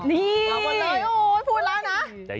นี่พูดแล้วนะ